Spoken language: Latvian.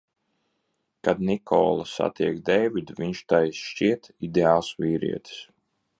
Kad Nikola satiek Deividu, viņš tai šķiet ideāls vīrietis.